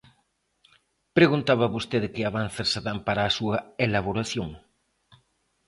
Preguntaba vostede que avances se dan para a súa elaboración.